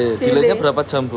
oh delay delaynya berapa jam bu